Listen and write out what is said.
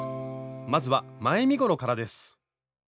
まずは前身ごろからです。